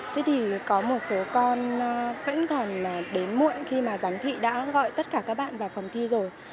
thế thì có một số con vẫn còn đến muộn khi mà giám thị đã gọi tất cả các bạn vào phòng thi rồi